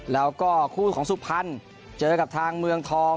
แล้วก็คู่ของสุพรรณเจอกับทางเมืองทอง